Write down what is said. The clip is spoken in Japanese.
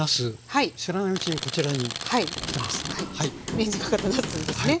レンジにかかったなすですね。